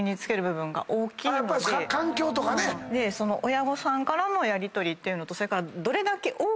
親御さんからのやりとりっていうのとそれから。